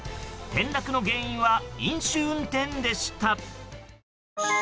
転落の原因は飲酒運転でした。